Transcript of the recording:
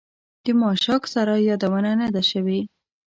د ماشک سرای یادونه نه ده شوې.